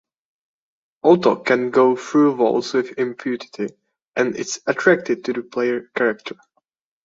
Otto can go through walls with impunity and is attracted to the player character.